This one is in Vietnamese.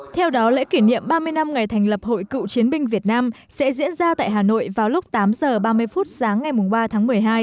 theo đó lễ kỷ niệm ba mươi năm ngày thành lập hội cựu chiến binh việt nam sẽ diễn ra tại hà nội vào lúc tám h ba mươi phút sáng ngày ba tháng một mươi hai